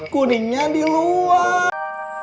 kuningnya di luar